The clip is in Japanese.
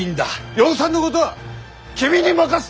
養蚕のことは君に任す！